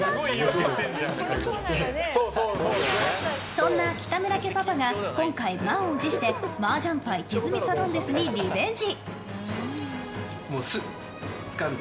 そんな北村家パパが今回、満を持して麻雀牌手積みサドンデスにリベンジ！